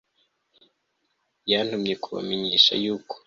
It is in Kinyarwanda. yantumye kubamenyesha yuko